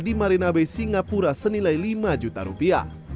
di marina bay singapura senilai lima juta rupiah